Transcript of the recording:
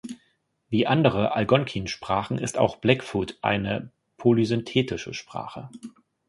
Wie andere Algonkin-Sprachen ist auch Blackfoot eine polysynthetische Sprache.